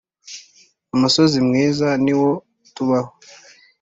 umusozi mwiza niwo tubaho